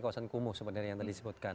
kawasan kumuh sebenarnya yang tadi disebutkan